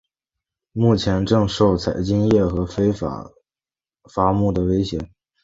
目前正受采金业和非法伐木的威胁。